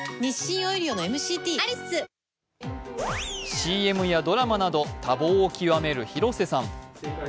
ＣＭやドラマなど多忙を極める広瀬さん。